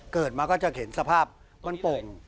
เกิดมาก็จะเห็นสภาพบ้านโป่ง